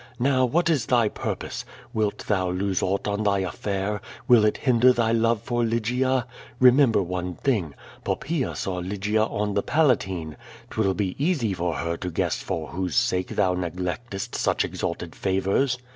Now, what is thy purpose? Wilt thou lose aught on thy affair? Will it hinder thy love for Lygia? Kemember one thing: Poppaea saw Lygia on the Palatine. 'Twill be easy for her to guess for whose sake thou neglectest such exalted favors.